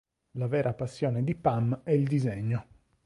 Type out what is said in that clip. La vera passione di Pam è il disegno.